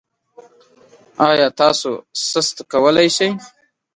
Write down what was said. ایا تاسو سست کولی شئ؟